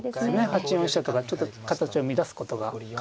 ８四飛車とかちょっと形を乱すことが可能ですね。